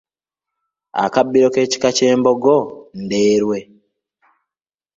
Akabbiro k’ekika ky’Embogo Ndeerwe.